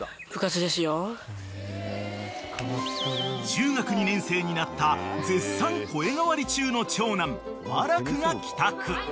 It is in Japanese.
［中学２年生になった絶賛声変わり中の長男和楽が帰宅］